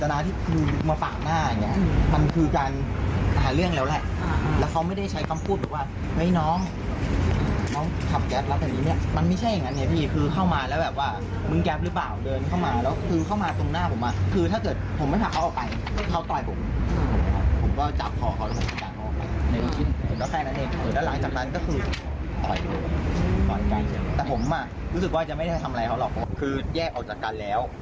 รู้สึกว่าจะไม่ได้ทำอะไรเขาหรอกคือแยกออกจากกันแล้ว